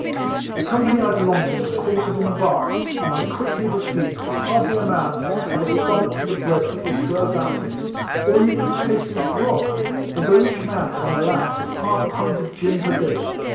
The company 1 belonged to was quartered in a barn, and I quickly perceived that hardly a man there had stomach for the bread that was served out to him, or even to taste his grog, although each man had an allowance of half a pint of gin per day.